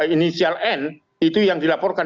inisial n itu yang dilaporkan